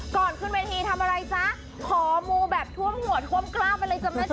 ก่อนขึ้นเวทีทำอะไรจ๊ะขอมูแบบท่วมหัวท่วมกล้ามไปเลยจ้ะแม่จ